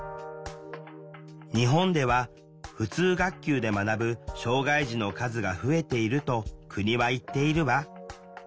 日本では普通学級で学ぶ障害児の数が増えていると国は言っているわ。